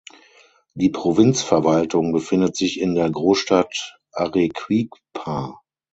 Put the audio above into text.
Die Provinzverwaltung befindet sich in der Großstadt Arequipa.